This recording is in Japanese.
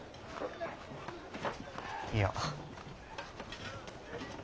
いや。